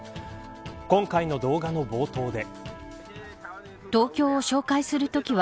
今回の動画の冒頭で。